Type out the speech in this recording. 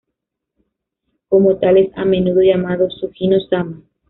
Como tal, es a menudo llamado Sugino-sama.